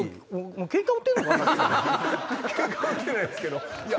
ケンカは売ってないですけど。